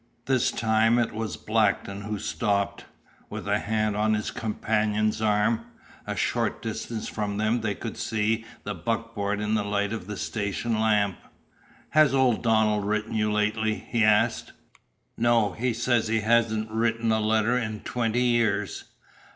This time it was Blackton who stopped, with a hand on his companion's arm. A short distance from them they could see the buckboard in the light of the station lamp. "Has old Donald written you lately?" he asked. "No. He says he hasn't written a letter in twenty years."